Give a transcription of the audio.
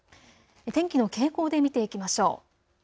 天気の傾向で見ていきましょう。